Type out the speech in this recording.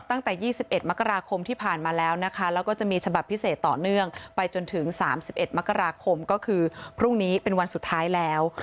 ตั้งแต่๒๑มกราคมที่ผ่านมาแล้วนะคะแล้วก็จะมีฉบับพิเศษต่อเนื่องไปจนถึง๓๑มกราคมก็คือพรุ่งนี้เป็นวันสุดท้ายแล้ว